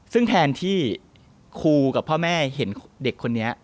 ซึ่งแทนที่ครูกับพ่อแม่เห็นเด็กคนนี้